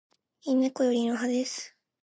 猫より犬派です